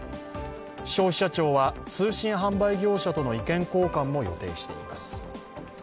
消費者庁は通信販売業者との意見交換も予定しています。